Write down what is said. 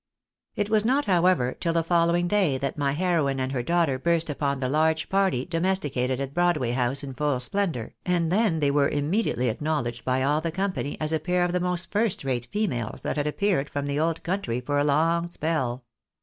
It was not, however, till the following day that my heroine and her daughter burst upon the large party domesticated at Broadway House in full splendour, and then they were immediately acknow ledged by all the company as a pair of the most first rate females that had appeared from the old country for a long spell.